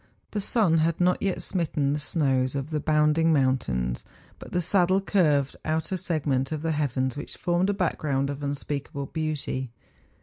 The sun had not yet smitten the snows of the bounding moun¬ tains; but the saddle curved out a segment of the heavens which formed a background of unspeakable beauty.